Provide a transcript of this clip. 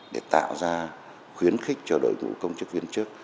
để tạo ra khuyến khích cho đội ngũ công chức viên chức